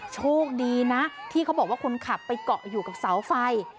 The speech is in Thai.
โชคดีนะที่เขาบอกว่าคนขับไปเกาะอยู่กับเสาไฟ